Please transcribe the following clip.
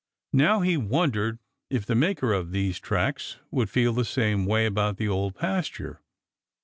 Now he wondered if the maker of these tracks would feel the same way about the Old Pasture.